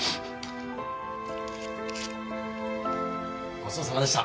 ごちそうさまでした。